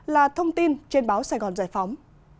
là thông tin trên báo sài gòn giải phóng